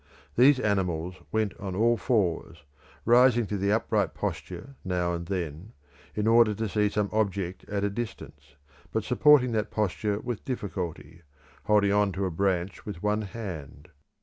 These animals went on all fours, rising to the upright posture now and then, in order to see some object at a distance, but supporting that posture with difficulty, holding on to a branch with one hand.